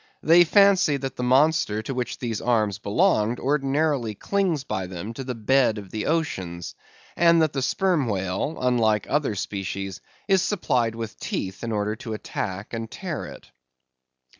They fancy that the monster to which these arms belonged ordinarily clings by them to the bed of the ocean; and that the sperm whale, unlike other species, is supplied with teeth in order to attack and tear it.